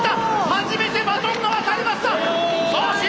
初めてバトンが渡りました！